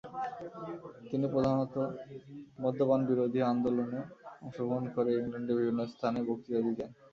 তিনি প্রধানত মদ্যপান-বিরোধী আন্দোলনে অংশগ্রহণ করে ইংল্যান্ডের বিভিন্ন স্থানে বক্তৃতাদি দেন।